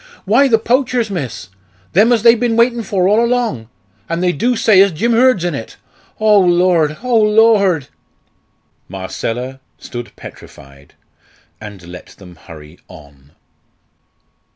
"Why the poachers, miss. Them as they've bin waitin' for all along and they do say as Jim Hurd's in it. Oh Lord, oh Lord!" Marcella stood petrified, and let them hurry on.